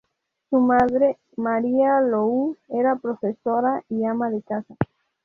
Su madre, María Lou, era profesora y ama de casa.